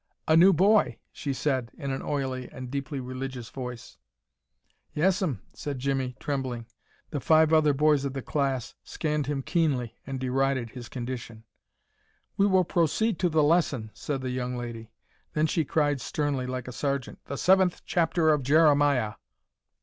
"A new boy," she said, in an oily and deeply religious voice. "Yes'm," said Jimmie, trembling. The five other boys of the class scanned him keenly and derided his condition. "We will proceed to the lesson," said the young lady. Then she cried sternly, like a sergeant, "The seventh chapter of Jeremiah!"